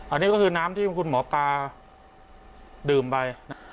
อันนี้ก็คือน้ำที่คุณหมอปลาดื่มไป